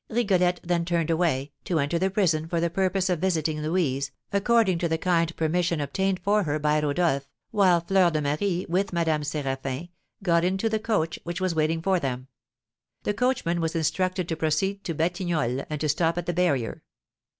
Rigolette then turned away, to enter the prison for the purpose of visiting Louise, according to the kind permission obtained for her by Rodolph, while Fleur de Marie, with Madame Séraphin, got into the coach which was waiting for them. The coachman was instructed to proceed to Batignolles, and to stop at the barrier.